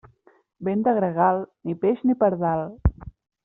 Vent de gregal, ni peix ni pardal.